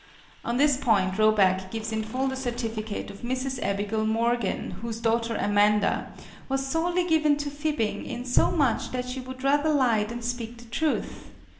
On this point Roback gives in full the certificate of Mrs. Abigail Morgan, whose daughter Amanda "was sorely given to fibbing, in so much that she would rather lie than speak the truth."